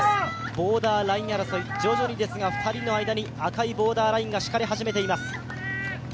ボーダーライン争い、徐々にですが２人の間に赤いボーダーラインから引かれ始めています。